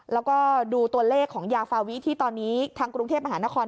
แล้วก็ดูตัวเลขของยาฟาวิที่ตอนนี้ทางกรุงเทพมหานคร